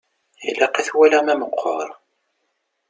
Ilaq ad t-waliɣ ma meqqer.